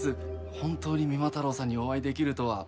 本当に三馬太郎さんにお会いできるとは。